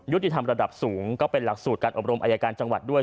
ธรรมระดับสูงก็เป็นหลักสูตรการอบรมอายการจังหวัดด้วย